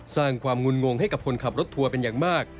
สร้างความงุ่นงงให้กับคนขับรถทัวร์เป็นอย่างมาก